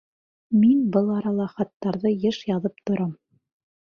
Мин был арала хаттарҙы йыш яҙып торам.